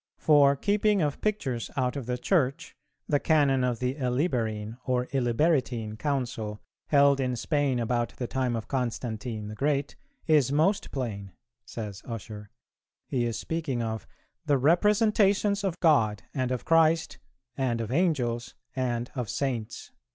"For keeping of pictures out of the Church, the Canon of the Eliberine or Illiberitine Council, held in Spain, about the time of Constantine the Great, is most plain,"[410:3] says Ussher: he is speaking of "the representations of God and of Christ, and of Angels and of Saints."